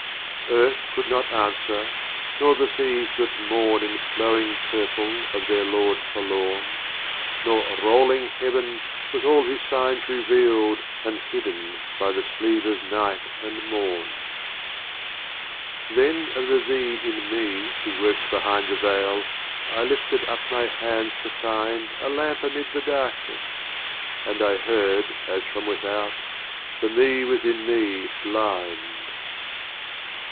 J 3 XXXIII. Ruba'iyat Earth could not answer; nor the £££ Seas that mourn In flowing Purple, of their Lord forlorn ; Nor rolling Heaven, with all his Signs reveal'd And hidden by the sleeve of Night and Morn. XXXIV. Then of the Thee in Me who works behind The Veil, I lifted up my hands to find A Lamp amid the Darkness ; and I heard, As from Without — "The Me within Thee blind